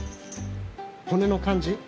骨の感じ。